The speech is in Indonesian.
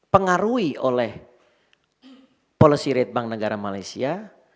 pengaruhi oleh policy rate bank negara malaysia